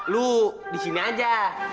lo disini aja